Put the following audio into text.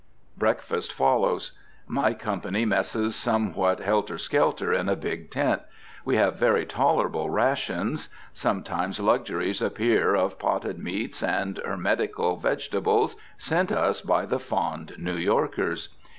Breakfast follows. My company messes somewhat helter skelter in a big tent. We have very tolerable rations. Sometimes luxuries appear of potted meats and hermetical vegetables, sent us by the fond New Yorkers.